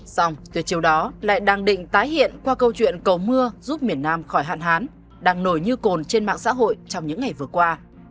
xong tuyệt chiêu đó lại đang định tái hiện qua câu chuyện cầu mưa giúp miền nam khỏi hạn hán đang nổi như cồn trên mạng xã hội trong những ngày vừa qua